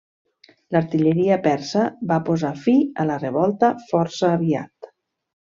L'artilleria persa va posar fi a la revolta força aviat.